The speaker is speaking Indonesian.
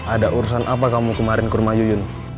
ada urusan apa kamu kemarin ke rumah yuyun